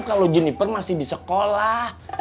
kalau jenniper masih di sekolah